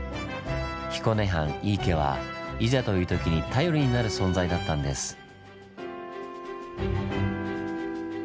彦根藩井伊家はいざというときに頼りになる存在だったんです。